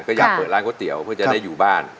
ก็อยากเปิดร้านก๋วยเตี๋ยวเพื่อจะได้อยู่บ้าน